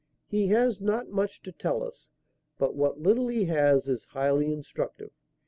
He has not much to tell us, but what little he has is highly instructive.